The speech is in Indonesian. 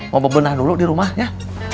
mau bebenah dulu di rumah ya